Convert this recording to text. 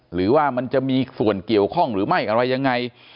หรือว่ามันจะมีส่วนเกี่ยวข้องหรือไม่อะไรยังไง